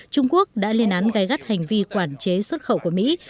trung quốc đã liên án gây gắt hành vi quản chế xuất khẩu của mỹ